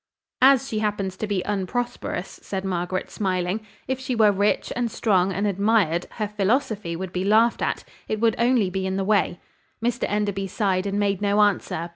"As she happens to be unprosperous," said Margaret, smiling. "If she were rich, and strong, and admired, her philosophy would be laughed at; it would only be in the way." Mr Enderby sighed, and made no answer.